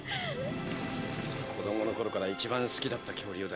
子供の頃から一番好きだった恐竜だよ。